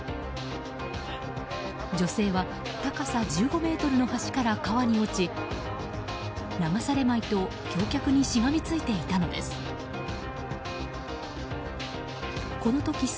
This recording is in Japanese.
女性は高さ１５ｍの橋から川に落ち流されまいと橋脚にしがみついていたのです。